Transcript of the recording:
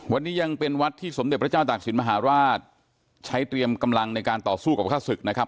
วันนี้ยังเป็นวัดที่สมเด็จพระเจ้าตากศิลปมหาราชใช้เตรียมกำลังในการต่อสู้กับฆ่าศึกนะครับ